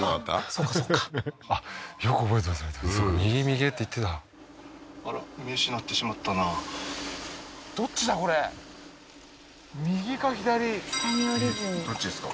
そっかそっかあっよく覚えてますねすごい右へ右へって言ってたあら見失ってしまったなどっちですか？